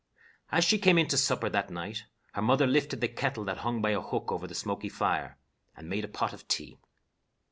As she came in to supper that night, her mother lifted the kettle that hung by a hook over the smoky fire and made a pot of tea.